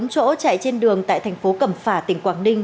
bốn chỗ chạy trên đường tại thành phố cẩm phả tỉnh quảng ninh